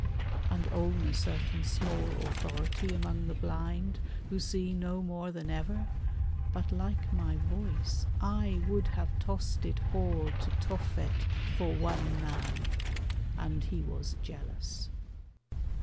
And own a certain small authority Among the blind, who see no more than ever, But like my voice, I would have tossed it all To Tophet for one man; and he was jealous.